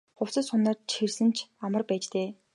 Хувцас хунар чирсэн нь амар байж дээ.